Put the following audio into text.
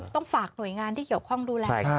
ต้องฝากหน่วยงานที่เกี่ยวข้องดูแล